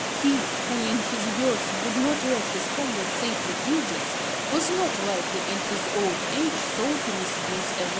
He who in his youth would not let his comrades say prodigious (ante/, in. 303) was not likely in his old age so to misuse a word.